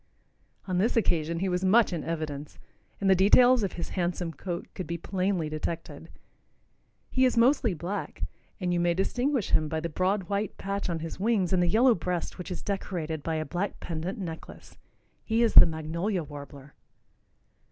On this occasion he was much in evidence, and the details of his handsome coat could be plainly detected. He is mostly black, and you may distinguish him by the broad white patch on his wings and the yellow breast which is decorated by a black pendant necklace. He is the magnolia warbler.